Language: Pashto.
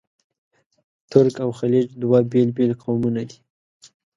ترک او خلج دوه بېل بېل قومونه دي.